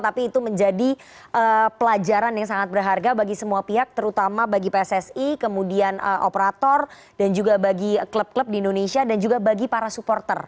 tapi itu menjadi pelajaran yang sangat berharga bagi semua pihak terutama bagi pssi kemudian operator dan juga bagi klub klub di indonesia dan juga bagi para supporter